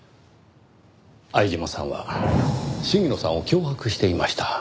相島さんは鴫野さんを脅迫していました。